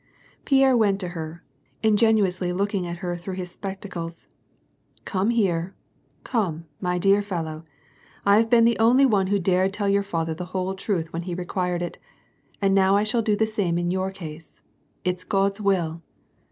Pierre went to her, ingenuously looking at her through his spectacles. ' "Come here, come, my dear fellow. I have been the only one who dared tell your father the whole truth when ha required it, and now I shall do the same in your case. It's God's will."